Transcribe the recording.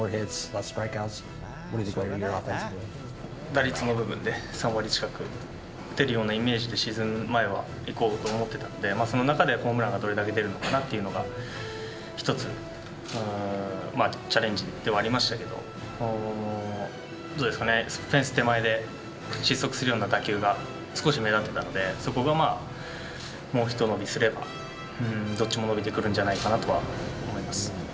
打率の部分で３割近く打てるようなイメージでシーズン前はいこうと思ってたので、その中でどれだけホームランが出るのかなっていうのが、１つのチャレンジではありましたけれども、どうですかね、フェンス手前で失速するような打球が少し目立ってたので、そこがまあ、もうひと伸びすれば、どっちも伸びてくるんじゃないかなとは思います。